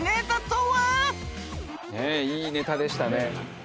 いいネタでしたね。